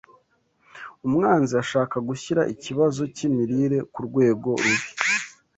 Umwanzi ashaka gushyira ikibazo cy’imirire ku rwego rubi